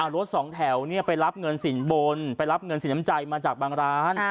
รถสองแถวไปรับเงินสินบนไปรับเงินสินน้ำใจมาจากบางร้าน